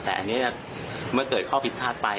แต่อันนี้เมื่อเกิดข้อผิดพลาดไป